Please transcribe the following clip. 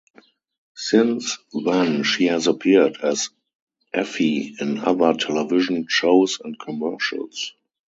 Since then she has appeared as Effie in other television shows and commercials.